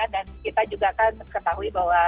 dan kita juga kan ketahui bahwa